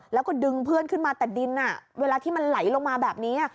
แล้วก็ดึงเพื่อนขึ้นมาแต่ดินเวลาที่มันไหลลงมาแบบนี้